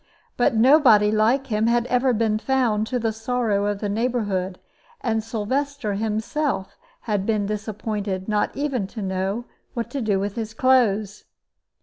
But nobody like him had ever been found, to the sorrow of the neighborhood; and Sylvester himself had been disappointed, not even to know what to do with his clothes.